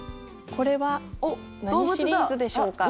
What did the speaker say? これは何シリーズでしょうか？